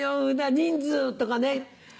人数とかね。